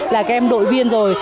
là các em đội viên rồi